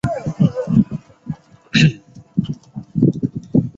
银州柴胡为伞形科柴胡属下的一个种。